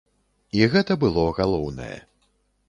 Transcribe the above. І гэта было галоўнае.